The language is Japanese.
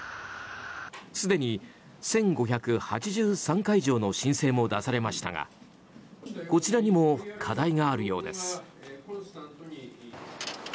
すでに１５８３会場の申請も出されましたがこちらにも課題があるようです。